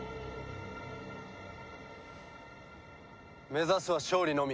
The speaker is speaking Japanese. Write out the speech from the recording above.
目指すは勝利のみ。